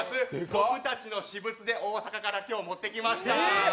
僕たちの私物で、大阪から今日持ってきました。